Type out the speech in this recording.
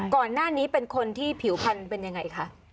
ก่อนหน้านี้เป็นคนที่ผิวพันธุ์เป็นยังไงคะ